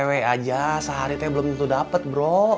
cewek aja seharitnya belum itu dapet bro